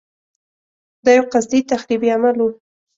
دا یو قصدي تخریبي عمل و.